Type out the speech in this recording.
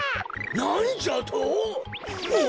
なんじゃと！？